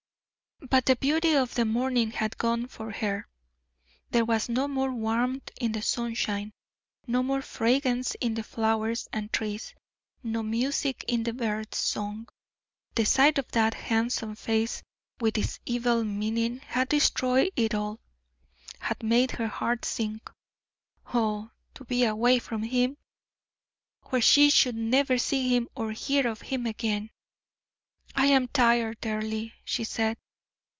But the beauty of the morning had gone for her there was no more warmth in the sunshine, no more fragrance in the flowers and trees, no music in the birds' song; the sight of that handsome face, with its evil meaning, had destroyed it all, had made her heart sink. Oh! to be away from him, where she should never see him or hear of him again. "I am tired, Earle," she said.